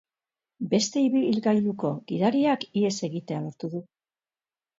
Beste ibilgailuko gidariak ihes egitea lortu du.